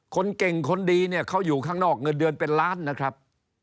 คนเก่งคนดีเนี่ยเขาอยู่ข้างนอกเงินเดือนเป็นล้านนะครับ